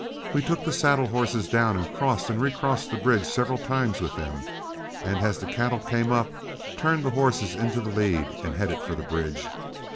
We took the saddle horses down and crossed and recrossed the bridge several times with them, and as the cattle came up turned the horses into the lead and headed for the bridge.